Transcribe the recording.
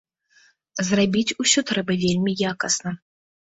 Зрабіць усё трэба вельмі якасна.